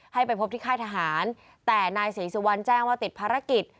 ให้ไปพบที่ค่ายทหารแต่นายศรีสุวรรณแจ้งว่าติดภารกิจ